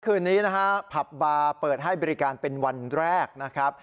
คืนนี้นะฮะผับบาร์เปิดให้บริการเป็นวันแรกนะครับ